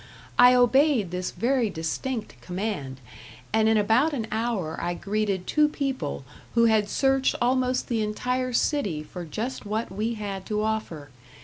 I obeyed this very distinct command, and in about an hour I greeted two people who had searched almost the entire city for just what we had to offer.